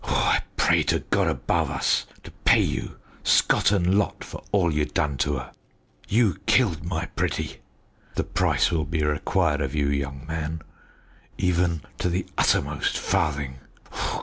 Oh! I pray to God above us to pay you scot and lot for all you done to 'er! You killed my pretty. The price will be required of you, young man, even to the uttermost farthing!